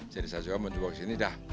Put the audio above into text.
jadi saya juga mencoba kesini